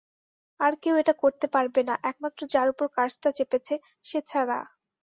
আর কেউ এটা করতে পারবে না, একমাত্র যার উপর কার্সটা চেপেছে সে ছাড়া।